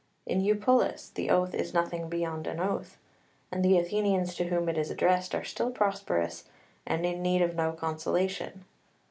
In Eupolis the oath is nothing beyond an oath; and the Athenians to whom it is addressed are still prosperous, and in need of no consolation.